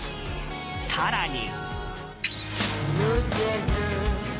更に。